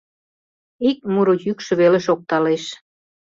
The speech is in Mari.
Ик муро йӱкшӧ веле шокталеш.